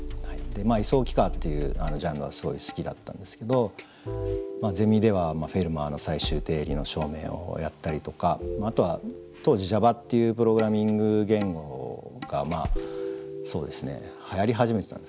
位相幾何っていうジャンルがすごい好きだったんですけどゼミでは「フェルマーの最終定理」の証明をやったりとかあとは当時Ｊａｖａっていうプログラミング言語がそうですねはやり始めてたんですかね。